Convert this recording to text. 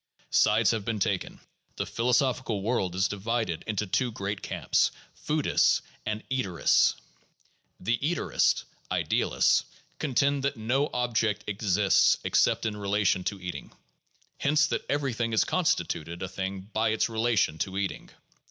Sides have been taken; the philosophical world is divided into two great camps, "foodists" and "eaterists." The eaterists (idealists) contend that no object exists except in relation to eating ; hence that everything is constituted a thing by its relation to eating.